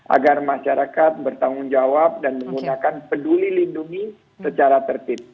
agar masyarakat bertanggung jawab dan menggunakan peduli lindungi secara tertib